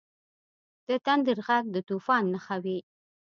• د تندر ږغ د طوفان نښه وي.